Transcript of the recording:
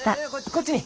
こっちに。